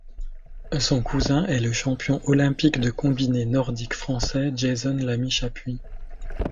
Son cousin est le champion olympique de combiné nordique français Jason Lamy-Chappuis.